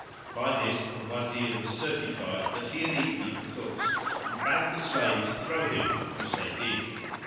By this the Wazir was certified that he had eaten at the cook's and bade the slaves throw him [FN#472] which they did.